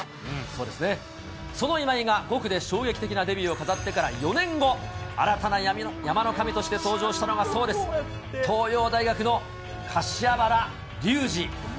その今井が５区で衝撃的なデビューを飾ってから４年後、新たな山の神として登場したのが、そうです、東洋大学の柏原竜二。